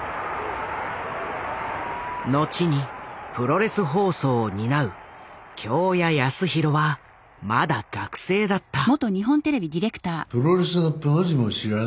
後にプロレス放送を担う京谷康弘はまだ学生だった。